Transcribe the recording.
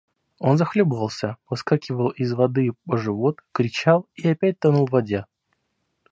Он захлебывался, выскакивал из воды по живот, кричал и опять тонул в воде.